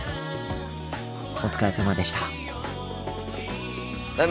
お疲れさまでした。